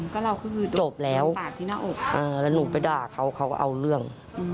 ก็เราก็คือจบแล้วแล้วหนูไปด่าเขาเขาก็เอาเรื่อง